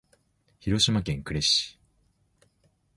広島県呉市